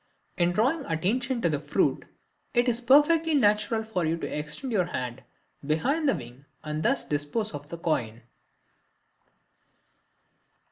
In drawing attention to the fruit it is perfectly natural for you to extend your hand behind the wing and thus dispose of the coin.